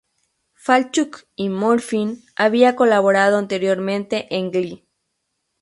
Falchuk y Murphy habían colaborado anteriormente en "Glee".